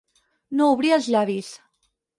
No obrir els llavis.